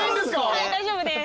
はい大丈夫です。